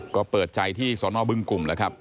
ก็เปิดใจที่สอนอ้อบึ้งกลุ่มนะครับ